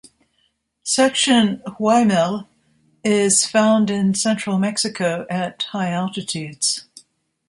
Section "Oiamel" is found in central Mexico at high altitudes.